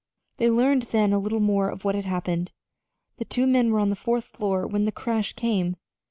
They learned then a little more of what had happened. The two men were on the fourth floor when the crash came.